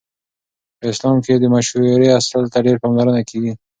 په اسلام کې د مشورې اصل ته ډېره پاملرنه کیږي.